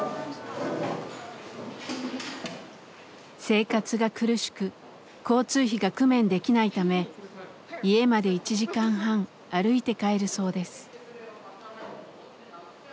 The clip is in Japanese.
生活が苦しく交通費が工面できないため家まで１時間半歩いて帰るそうです。